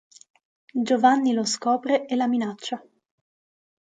Giovanni lo scopre e la minaccia.